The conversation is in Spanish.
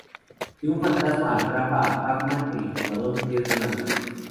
Si un fantasma atrapa a Pac-Man, el jugador pierde una vida.